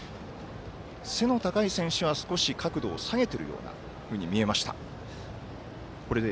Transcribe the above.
背の高い選手は少し角度を下げてるように見えました。